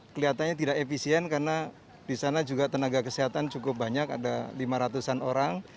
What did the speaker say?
kelihatannya tidak efisien karena di sana juga tenaga kesehatan cukup banyak ada lima ratus an orang